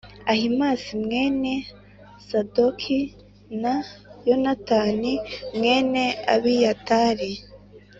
Ahimāsi mwene Sadoki, na Yonatani mwene Abiyatari.